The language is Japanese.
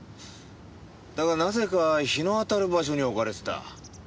だがなぜか日の当たる場所に置かれてた。